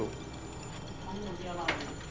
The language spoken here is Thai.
รึเปล่าสินะ